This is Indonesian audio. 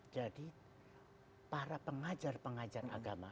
jadi para pengajar pengajar agama